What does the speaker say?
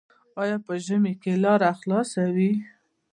آیا په ژمي کې لاره خلاصه وي؟